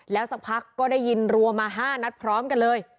แล้วสักพักก็ได้ยินรัวมา๕นัดพร้อมกันเลย